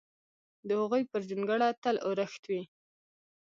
د هغوی پر جونګړه تل اورښت وي!